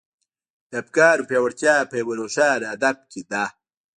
د افکارو پياوړتيا په يوه روښانه هدف کې ده.